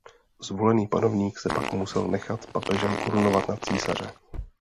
Zvolený panovník se pak musel nechat papežem korunovat na císaře.